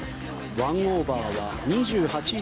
１オーバー２８位